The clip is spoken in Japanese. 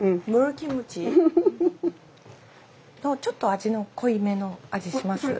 ちょっと味の濃いめの味します。